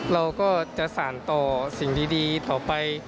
เราก็จะสารต่อสิ่งดีต่อไป